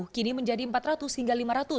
kini menjadi empat ratus hingga lima ratus